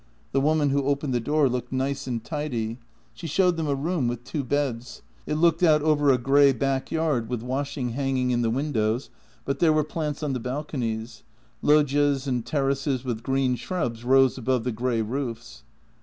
The woman who opened the door looked nice and tidy. She showed them a room with two beds. It looked out over a grey backyard with washing hanging in the windows, but there were plants on the balconies; loggias and terraces with green shrubs rose above the grey roofs.